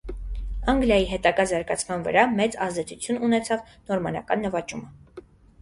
Անգլիայի հետագա զարգացման վրա մեծ ազդեցություն ունեցավ նորմանական նվաճումը։